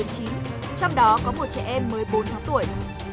trong đó có một trẻ em mới bốn tháng tuổi